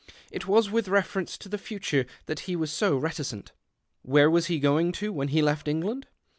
[t was with reference to the future that he vas so reticent. Where was he o oino to o o vhen he left England